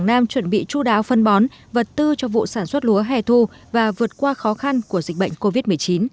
đủ đáo phân bón vật tư cho vụ sản xuất lúa hẻ thu và vượt qua khó khăn của dịch bệnh covid một mươi chín